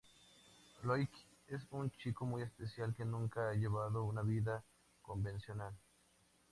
Loïc es un chico muy especial, que nunca ha llevado una vida convencional.